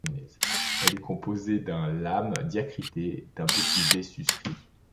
Elle est composée d’un lām diacrité d’un petit v suscrit.